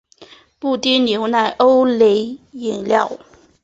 布丁牛奶欧蕾饮料